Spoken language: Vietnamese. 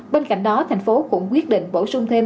bên cạnh đó thành phố cũng quyết định bổ sung thêm